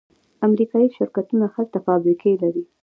امریکایی شرکتونه هلته فابریکې لري.